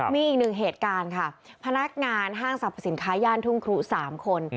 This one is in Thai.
มีอีกหนึ่งเหตุการณ์ค่ะพนักงานห้างสรรพสินค้าย่านทุ่งครู๓คน